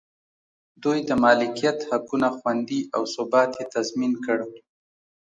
دوی د مالکیت حقونه خوندي او ثبات یې تضمین کړ.